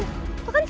itu kan sila